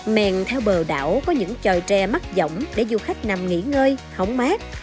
mèn theo bờ đảo có những tròi tre mắt giọng để du khách nằm nghỉ ngơi hóng mát